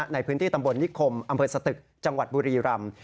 ในพื้นที่ตำบลนิคมอำเภอสตึกจังหวัดบุรีรำ